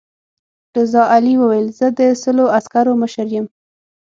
رضا علي وویل زه د سلو عسکرو مشر یم.